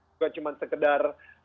bukan cuman sekedar